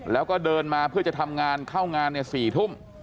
แล้วก็เดินมาเพื่อจะทำงานเข้างานใน๔ทุ่ม